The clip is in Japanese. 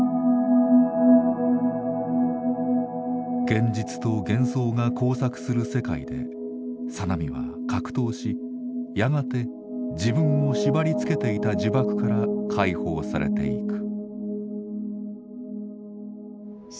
現実と幻想が交錯する世界で小波は格闘しやがて自分を縛りつけていた呪縛から解放されていく。